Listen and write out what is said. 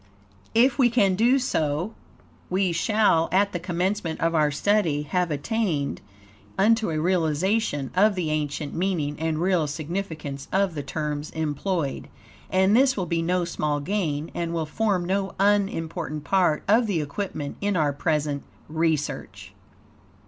If we can do so, we shall, at the commencement of our study, have attained unto a realization of the ancient meaning and real significance of the terms employed. And this will be no small gain, and will form no unimportant part of the equipment in our present research.